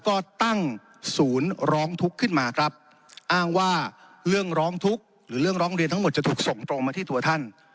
ก็ตั้งศูนย์ร้องทุกข์ขึ้นมาครับอ้างว่าเรื่องร้องทุกข์หรือเรื่องร้องเรียนทั้งหมดจะถูกส่งตรงมาที่ตัวท่าน